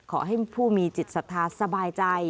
ขอให้ผู้มีจิตศรัทธาสบายใจ